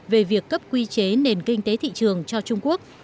về việc cấp quy chế nền kinh tế thị trường cho trung quốc